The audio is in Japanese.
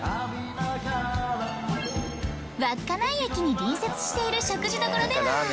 稚内駅に隣接している食事処では。